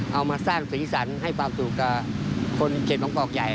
เอามาสร้างสีสันให้ความสุขกับคนเขตบางกอกใหญ่